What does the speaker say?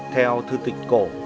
theo thư tịch cổ